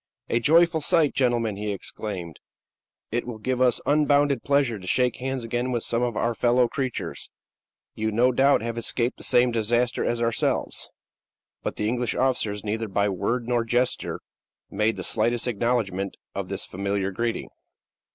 "A joyful sight, gentlemen!" he exclaimed. "It will give us unbounded pleasure to shake hands again with some of our fellow creatures. You, no doubt, have escaped the same disaster as ourselves." But the English officers, neither by word nor gesture, made the slightest acknowledgment of this familiar greeting.